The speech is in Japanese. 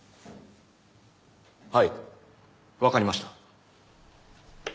はいわかりました。